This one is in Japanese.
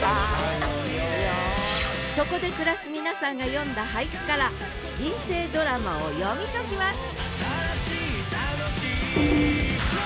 そこで暮らす皆さんが詠んだ俳句から人生ドラマを読み解きます！